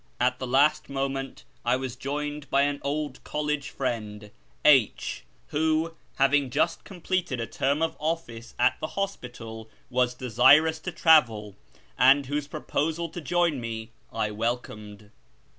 At the last moment I was joined by an old college friend, H , who, having just completed a term of office at the hospital, was desirous to travel, and whose proposal to join me I welcomed.